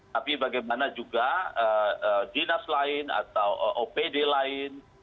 tapi bagaimana juga dinas lain atau opd lain